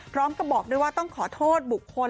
พร้อมกับบอกด้วยว่าต้องขอโทษบุคคล